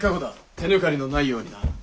手抜かりのないようにな。